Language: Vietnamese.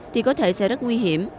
thì có thể sẽ rất nguy hiểm